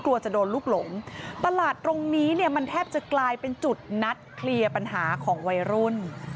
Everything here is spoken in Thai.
กลัวจะโดนลูกหลงตลาดตรงนี้เนี่ยมันแทบจะกลายเป็นจุดนัดเคลียร์ปัญหาของวัยรุ่น